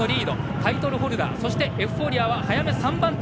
タイトルホルダーそして、エフフォーリアは早め３番手。